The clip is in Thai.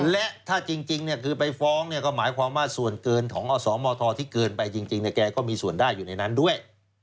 และถ้าจริงคือไปฟ้องเนี่ยก็หมายความว่าส่วนเกินของอสมทที่เกินไปจริงแกก็มีส่วนได้อยู่ในนั้นด้วย